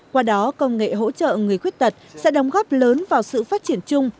qua đó công nghệ hỗ trợ người khuyết tật sẽ đóng góp lớn vào sự phát triển chung